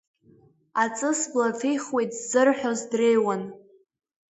Аҵыс бла ҭихуеит ззырҳәоз дреиуан.